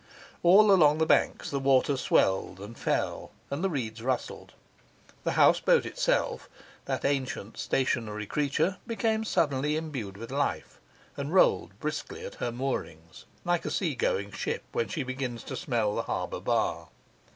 All along the banks the water swelled and fell, and the reeds rustled. The houseboat itself, that ancient stationary creature, became suddenly imbued with life, and rolled briskly at her moorings, like a sea going ship when she begins to smell the harbour bar.